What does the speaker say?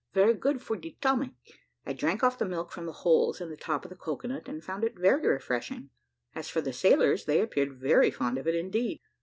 Very good for de 'tomac." I drank off the milk from the holes on the top of the cocoa nut, and found it very refreshing. As for the sailors, they appeared very fond of it indeed.